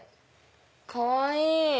かわいい！